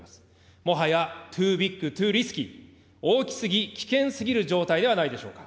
もはやＴｏｏＢｉｇＴｏｏＲｉｓｋｙ、大き過ぎ、危険過ぎる状態ではないでしょうか。